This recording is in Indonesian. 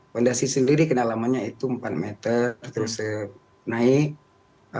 fondasi sendiri kedalamannya itu empat meter terus naik